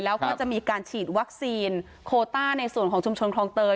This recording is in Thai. แล้วก็จะมีการฉีดวัคซีนโคต้าในส่วนของชุมชนคลองเตย